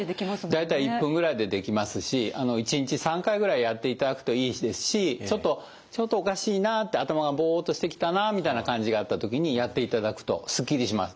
大体１分ぐらいでできますし１日３回ぐらいやっていただくといいですしちょっとおかしいな頭がボッとしてきたなみたいな感じがあった時にやっていただくとスッキリします。